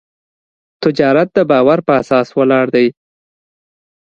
تجارت د باور په اساس ولاړ دی.